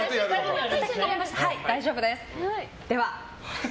大丈夫です！